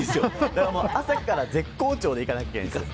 朝から絶好調でいかなきゃいけないんです。